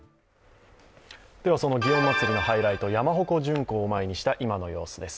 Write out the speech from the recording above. その祇園祭のハイライト、山鉾巡行を前にした今の様子です。